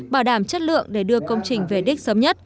bảo đảm chất lượng để đưa công trình về đích sớm nhất